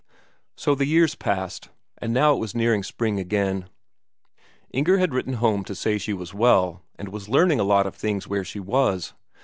So the years passed, and now it was nearing spring again. Inger had written home to say she was well, and was learning a lot of things where she was.